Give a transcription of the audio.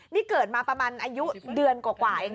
นี่เกิดมาประมาณอายุเดือนกว่าเอง